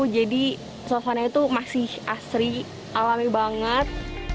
jadi suasana itu masih asri alami banget